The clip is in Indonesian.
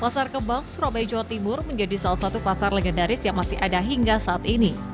pasar kembang surabaya jawa timur menjadi salah satu pasar legendaris yang masih ada hingga saat ini